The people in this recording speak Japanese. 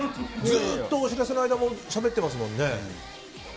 ずっとお知らせの間もしゃべってますもんね。